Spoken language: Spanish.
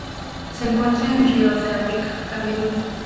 Se encuentran en ríos de África: Camerún.